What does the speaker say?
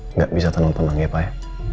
nggak bisa tenang tenang ya pak ya